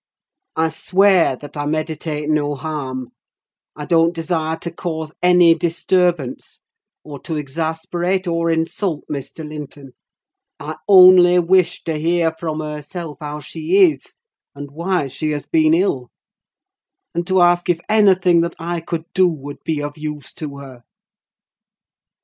I swear that I meditate no harm: I don't desire to cause any disturbance, or to exasperate or insult Mr. Linton; I only wish to hear from herself how she is, and why she has been ill; and to ask if anything that I could do would be of use to her.